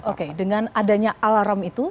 oke dengan adanya alarm itu